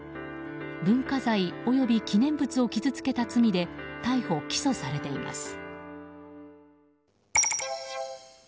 文化財および記念物を傷つけた罪で逮捕・起訴されています。